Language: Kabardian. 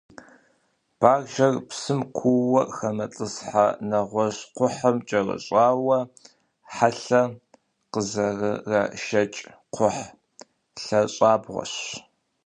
Баржэр, псым куууэ хэмытӏысхьэ, нэгъуэщӏ кхъухьым кӏэрыщӏауэ, хьэлъэ къызэрырашэкӏ кхъухь лъащӏабгъуэщ.